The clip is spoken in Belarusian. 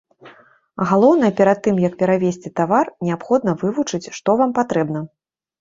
Галоўнае перад тым, як перавезці тавар, неабходна вывучыць, што вам патрэбна.